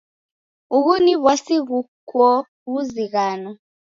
Ughu ni w'asi ghukoo ghuzighano.